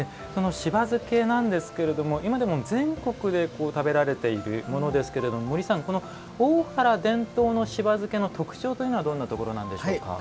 しば漬けなんですけれども今でも全国で食べられているものですけれども森さん、大原伝統のしば漬けの特徴というのはどんなところなんでしょうか？